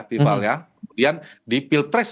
tiba ya kemudian di pilpres